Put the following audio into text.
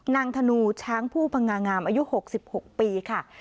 ธนูช้างผู้พังงางามอายุ๖๖ปีค่ะ